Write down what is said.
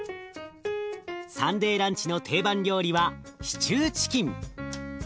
サンデーランチの定番料理はシチューチキン。